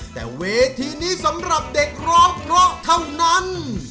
แต่เวทีนี้สำหรับเด็กร้องเพราะเท่านั้น